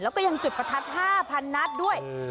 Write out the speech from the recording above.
แล้วก็ยังจุดประทัด๕๐๐นัดด้วย